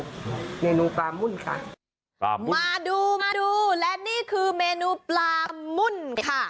คำว่าเมนูปลามุ้นค่ะ